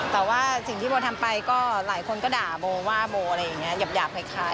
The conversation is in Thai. แต่ว่าสิ่งที่โบทำไปก็หลายคนก็ด่าโบว่าโบอะไรอย่างนี้หยาบคล้าย